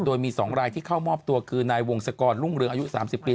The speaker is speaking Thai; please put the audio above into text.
โดยมี๒รายที่เข้ามอบตัวคือนายวงศกรรุ่งเรืองอายุ๓๐ปี